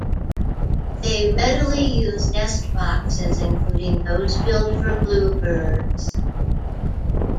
They readily use nest boxes, including those built for bluebirds.